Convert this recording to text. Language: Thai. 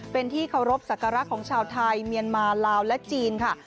เป็นที่เคารพสักการะของชาวไทยเมียนมาลาวและจีนค่ะ